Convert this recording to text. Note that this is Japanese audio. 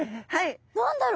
何だろう？